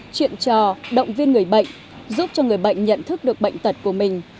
chuyện trò động viên người bệnh giúp cho người bệnh nhận thức được bệnh tật của mình